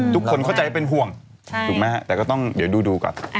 ทุกคนเข้าใจเป็นห่วงถูกไหมฮะแต่ก็ต้องเดี๋ยวดูก่อน